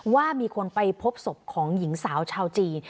ว่ามีคนไปพบศพของหญิงสาวชาวจีน